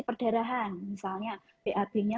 perdarahan misalnya bab nya